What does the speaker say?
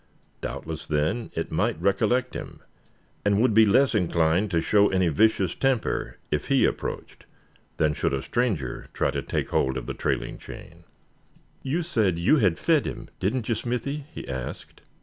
Doubtless, then, it might recollect him, and would be less inclined to show any vicious temper if he approached, than should a stranger try to take hold of the trailing chain. "You said you had fed him, didn't you, Smithy?" he asked.